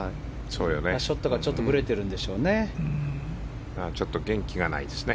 ショットがちょっとぶれてるんでしょうね。